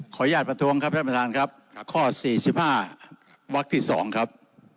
อนุญาตประท้วงครับท่านประธานครับข้อ๔๕วักที่๒ครับ